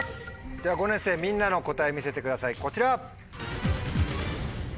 では５年生みんなの答え見せてくださいこちら。